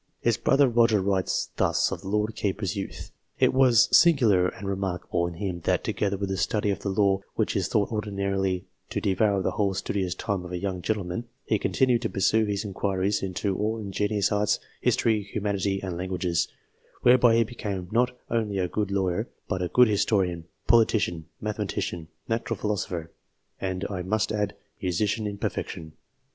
His brother Roger writes thus of the Lord Keeper's youth :" It was singular and remarkable in him that, together with the study of the law, which is thought ordinarily to devour the whole studious time of a young gentleman, he continued to pursue his inquiries into all ingenious arts, history, humanity, and languages ; whereby he became not only a good lawyer, but a good historian, politician, mathe matician, natural philosopher, and, I must add, musician in perfection.'